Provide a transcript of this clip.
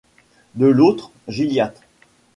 De l’autre, Gilliatt.